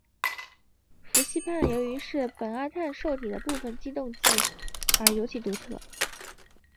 氟西泮由于是苯二氮受体的部分激动剂而尤其独特。